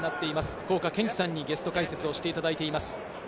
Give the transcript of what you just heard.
福岡堅樹さんにゲスト解説をしていただいています。